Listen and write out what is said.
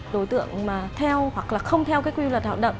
đối tượng mà theo hoặc là không theo cái quy luật hoạt động